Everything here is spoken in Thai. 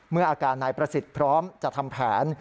อาการนายประสิทธิ์พร้อมจะทำแผน